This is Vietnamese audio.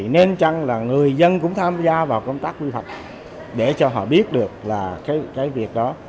nên chăng là người dân cũng tham gia vào công tác quy hoạch để cho họ biết được là cái việc đó